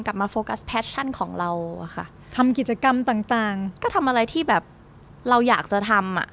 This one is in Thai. มาโฟกัสแพชชั่นของเราอะค่ะทำกิจกรรมต่างต่างก็ทำอะไรที่แบบเราอยากจะทำอ่ะ